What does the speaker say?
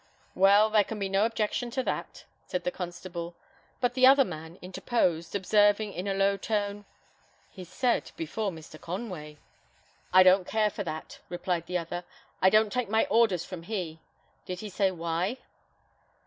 "Well, there can be no objection to that," said the constable; but the other man interposed, observing in a low tone, "He said before Mr. Conway." "I don't care for that," replied the other; "I don't take my orders from he. Did he say why?"